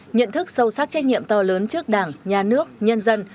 nhận thức sâu sắc trách nhiệm to lớn trước đảng nhà nước nhân dân